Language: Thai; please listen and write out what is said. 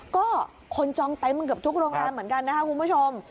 ก็คนจองเต็มเกือบทุกโรงแรมเหมือนกันนะคะคุณผู้ชม